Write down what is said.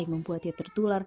yang membuatnya tertular